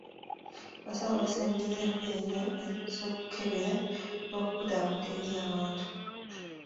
Abasawo basembezza empeereza z'okukebera n'okubudaabuda eri abantu.